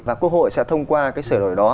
và quốc hội sẽ thông qua cái sửa đổi đó